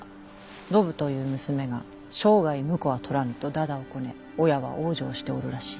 信という娘が生涯婿は取らぬとだだをこね親は往生しておるらしい。